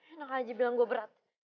enak aja bilang gue berat